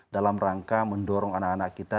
dalam rangka mendorong anak anak kita